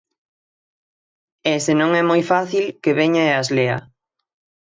E se non é moi fácil, que veña e as lea.